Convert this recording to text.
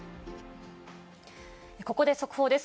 ここで速報です。